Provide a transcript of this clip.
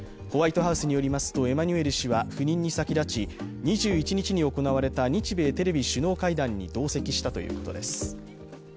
ホワイトハウスによりますとエマニュエル氏は赴任に先立ち２１日に行われた日米テレビ首脳会談に同席したということです。